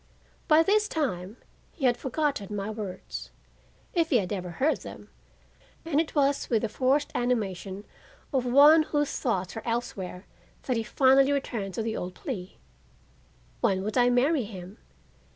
By this time he had forgotten my words, if he had ever heard them and it was with the forced animation of one whose thoughts are elsewhere that he finally returned to the old plea: When would I marry him?